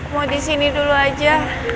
mau di sini dulu aja